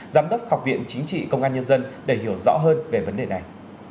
giám đốc học viện chính trị công an nhân dân để hiểu rõ hơn về vấn đề này